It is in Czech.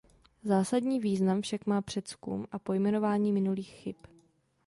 Zásadní význam však má přezkum a pojmenování minulých chyb.